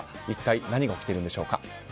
一体何が起きているんでしょうか。